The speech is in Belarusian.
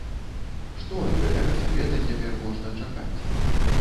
Што ад гэтага савета цяпер можна чакаць?